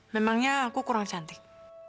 memangnya aku kurang cantik